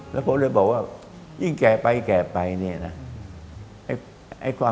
แล้วผมเลยบอกว่ายิ่งแก่ไปแก่ไปเนี่ยนะ